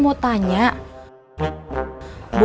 ibu pupu hamil karena ramuan ipah